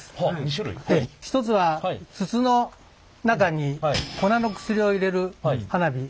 一つは筒の中に粉の薬を入れる花火。